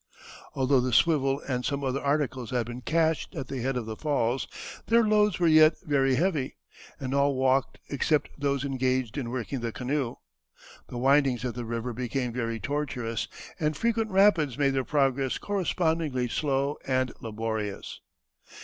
Although the swivel and some other articles had been cached at the head of the falls, their loads were yet very heavy, and all walked except those engaged in working the canoe. The windings of the river became very tortuous, and frequent rapids made their progress correspondingly slow and laborious.